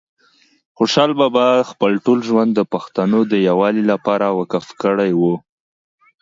خوشحال بابا خپل ټول ژوند د پښتنو د یووالي لپاره وقف کړی وه